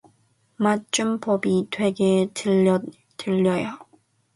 맞춤법이 되게 틀려요.